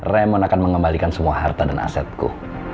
ramon akan mengembalikan semua harta dan asetku